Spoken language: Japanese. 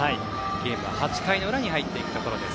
ゲームは８回の裏に入っていくところです。